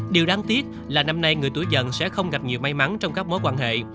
điều đáng tiếc là năm nay người tuổi dẫn sẽ không gặp nhiều may mắn trong các mối quan hệ